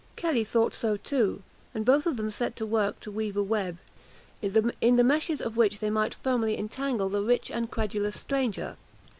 Kelly thought so too; and both of them set to work to weave a web, in the meshes of which they might firmly entangle the rich and credulous stranger.